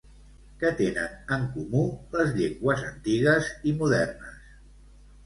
Què tenen en comú les llengües antigues i modernes?